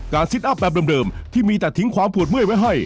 ซิตอัพแบบเดิมที่มีแต่ทิ้งความปวดเมื่อยไว้ให้